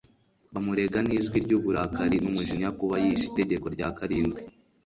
bamurega n'ijwi ry'uburakari n'umujinya kuba yishe itegeko rya karindwi.